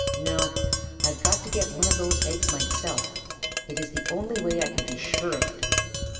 No. I've got to get one of those eggs myself. It is the only way I can be sure of it.